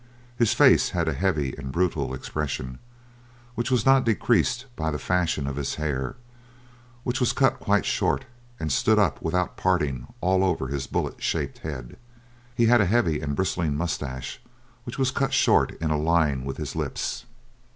His face had a heavy and brutal expression which was not decreased by the fashion of his hair, which was cut quite short, and stood up without parting all over his bullet shaped head; he had a heavy and bristling moustache which was cut short in a line with his lips.